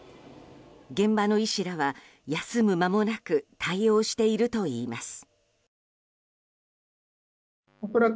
現場の医師らは、休む間もなく対応しているといいます。